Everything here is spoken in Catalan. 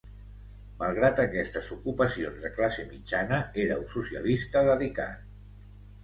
Malgrat aquestes ocupacions de classe mitjana, era un socialista dedicat.